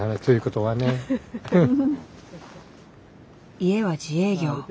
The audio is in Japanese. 家は自営業。